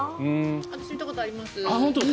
私見たことあります。